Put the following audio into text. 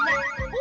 お！